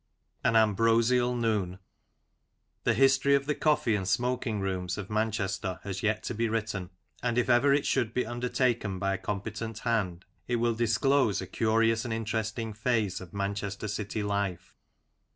AN AMBROSIAL NOON. THE history of the Coffee and Smoking rooms of Manchester has yet to be written, and if ever it should be undertaken by a competent hand, it will disclose a curious and interesting phase of Manchester city life.